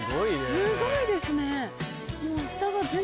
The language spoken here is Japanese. すごいですね。